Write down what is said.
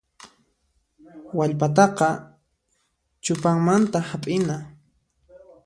Wallpataqa chupanmanta hap'ina.